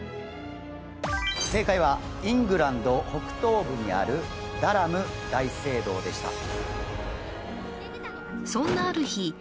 正解はイングランド北東部にあるダラム大聖堂でしたそんなある日